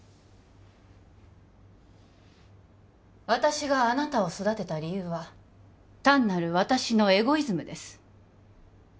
私があなたを育てた理由は単なる私のエゴイズムです